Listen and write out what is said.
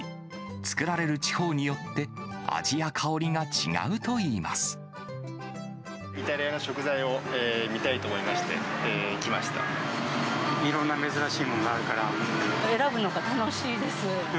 作られる地方によって味や香りがイタリアの食材を見たいと思いろんな珍しいものがあるか選ぶのが楽しいです。